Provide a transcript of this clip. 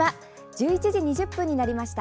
１１時２０分になりました。